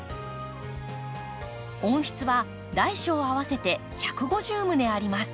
温室は大小合わせて１５０棟あります。